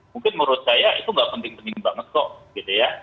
mungkin menurut saya itu nggak penting penting banget kok gitu ya